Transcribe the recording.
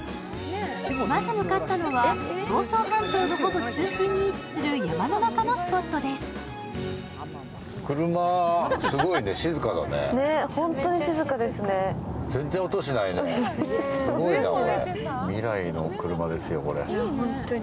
まず向かったのは、房総半島のほぼ中心に位置する山の中のスポットです。